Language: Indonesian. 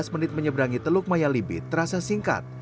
lima belas menit menyeberangi teluk maya libit terasa singkat